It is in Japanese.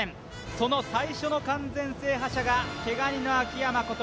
その最初の完全制覇者が毛ガニの秋山こと